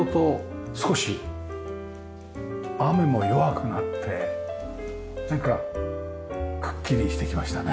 少し雨も弱くなってなんかくっきりしてきましたね。